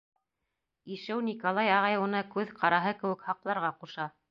Ишеү Николай ағай уны күҙ ҡараһы кеүек һаҡларға ҡуша.